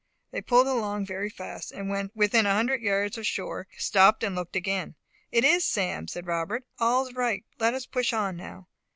They pulled along very fast, and when within a hundred yards of shore stopped and looked again. "It is Sam," said Robert. "All's right! Let us push on now!"